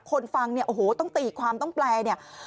ฟังเนี่ยโอ้โหต้องตีความต้องแปลเนี่ย